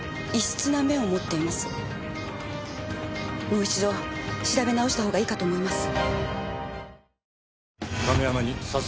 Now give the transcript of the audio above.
もう一度調べなおした方がいいかと思います。